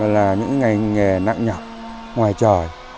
là những ngành nghề nặng nhỏ ngoài trời